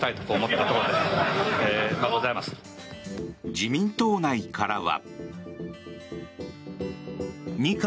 自民党内からは。